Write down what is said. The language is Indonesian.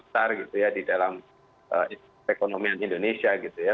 besar gitu ya di dalam perekonomian indonesia gitu ya